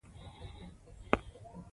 حکومت په پروژو پانګونه کوي.